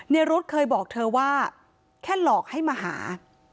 รุ๊ดเคยบอกเธอว่าแค่หลอกให้มาหา